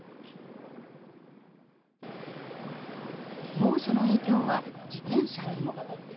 猛暑の影響は自転車にも。